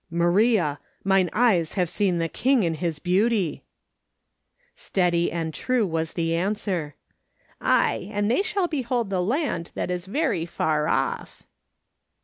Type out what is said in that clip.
"Maria, mine eyes have seen the King in His beauty !'' Steady and true was the answer : "Aye, and they shall behold the land that is very far off."